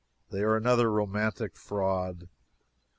They are another romantic fraud.